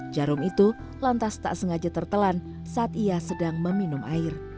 jarum itu lantas tak sengaja tertelan saat ia sedang meminum air